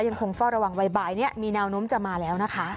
ยังคงเฝ้าระวังบ่ายนี้มีแนวโน้มจะมาแล้วนะคะ